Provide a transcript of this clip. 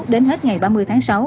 đến hết ngày ba mươi tháng sáu